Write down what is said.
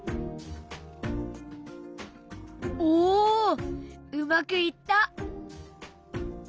おうまくいった。